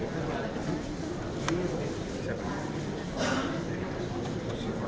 kepada ada rangka di parti rengsalina